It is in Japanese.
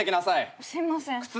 すいません。